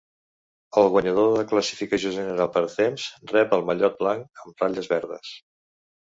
El guanyador de la classificació general per temps rep un mallot blanc amb ratlles verdes.